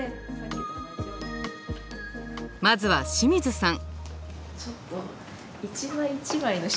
まずは清水さん。